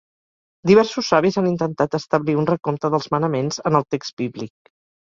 Diversos savis han intentat establir un recompte dels manaments en el text bíblic.